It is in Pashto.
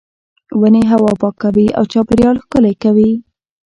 ونې هوا پاکوي او چاپیریال ښکلی کوي.